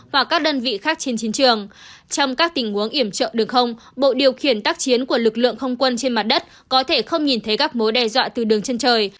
hoặc các đơn vị khác trên chiến trường trong các tình huống iểm trợ đường không bộ điều khiển tác chiến của lực lượng không quân trên mặt đất có thể không nhìn thấy các mối đe dọa từ đường chân trời